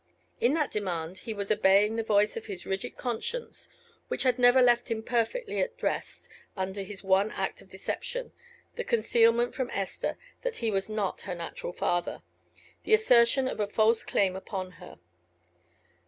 In that demand he was obeying the voice of his rigid conscience, which had never left him perfectly at rest under his one act of deception the concealment from Esther that he was not her natural father, the assertion of a false claim upon her.